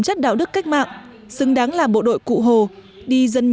chất đạo đức cách mạng xứng đáng là bộ đội cụ hồ đi dân nhớ ở dân thương nhiệm vụ nào cũng hoàn thành